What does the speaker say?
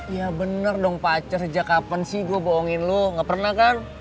ya bener dong pacar sejak kapan sih gue bohongin lu gak pernah kan